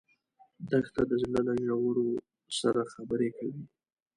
دښته د زړه له ژورو سره خبرې کوي.